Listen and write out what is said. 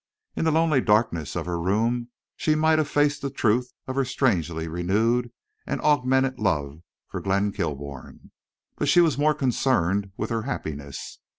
In the lonely darkness of her room she might have faced the truth of her strangely renewed and augmented love for Glenn Kilbourne. But she was more concerned with her happiness.